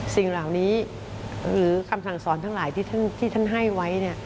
สิ่งเหล่านี้หรือคำสั่งสอนทั้งหลายที่ท่านให้ไว้